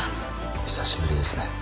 久しぶりですね。